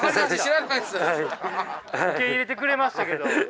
受け入れてくれましたけど。